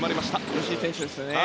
吉井選手ですよね。